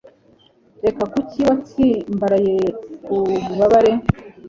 reka. kuki watsimbaraye ku bubabare